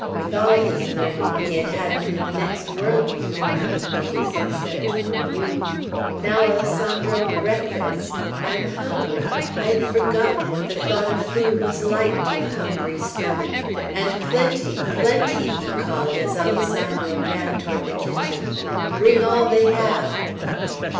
With all his learning, he had had me in the next world before many days, except for you. Now, Alessandro, breakfast! I'm hungry. I had forgotten what the thought of food was like to a hungry stomach. And plenty! plenty!" he called, as Alessandro ran toward the kitchen. "Bring all they have."